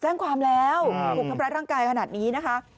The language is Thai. แจ้งความแล้วกลุ่มครับรัฐร่างกายขนาดนี้นะคะ